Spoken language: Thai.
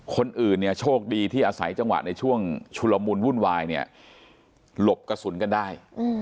คนอื่นเนี่ยโชคดีที่อาศัยจังหวะในช่วงชุลมุนวุ่นวายเนี่ยหลบกระสุนกันได้